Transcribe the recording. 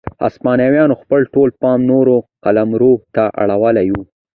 هسپانویانو خپل ټول پام نورو قلمرو ته اړولی و.